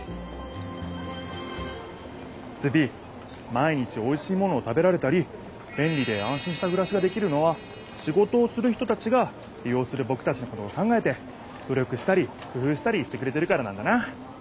ズビ毎日おいしいものを食べられたりべんりであんしんしたくらしができるのは仕事をする人たちがり用するぼくたちのことを考えて努力したりくふうしたりしてくれてるからなんだな。